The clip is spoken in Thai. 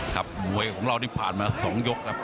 มวยของเราที่ผ่านมา๒ยกครับ